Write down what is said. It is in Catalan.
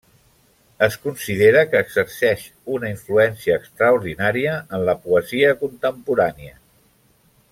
Es considera que exerceix una influència extraordinària en la poesia contemporània.